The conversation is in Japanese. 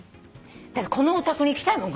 だからこのお宅に行きたいもん。